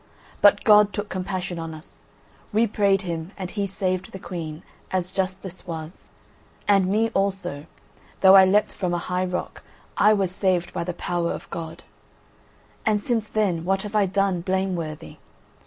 But God took compassion on us; we prayed him and he saved the Queen, as justice was: and me also—though I leapt from a high rock, I was saved by the power of God. And since then what have I done blameworthy?